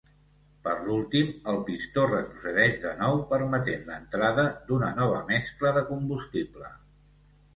Per últim el pistó retrocedeix de nou permetent l'entrada d'una nova mescla de combustible.